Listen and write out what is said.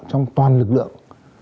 trong toàn lực lượng